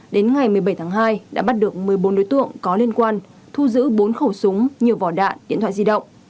đến ngày một mươi bảy tháng hai đã bắt được một mươi bốn đối tượng có liên quan thu giữ bốn khẩu súng nhiều vỏ đạn điện thoại di động